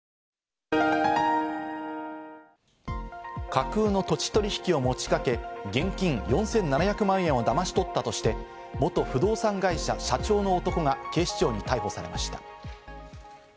架空の土地取引を持ちかけ、現金４７００万円をだまし取ったとして、元不動産会社社長の男が警視庁に逮捕されました。